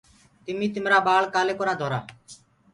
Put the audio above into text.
تمي تمرآ ٻآݪ ڪآلي ڪونآ ڌنٚورآ۔